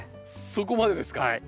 そこまでですか！